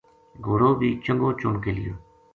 گھوڑو بھی چنگو چن کے لیو